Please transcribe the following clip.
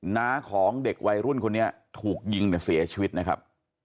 น้าของเด็กวัยรุ่นคนนี้ถูกยิงเนี่ยเสียชีวิตนะครับ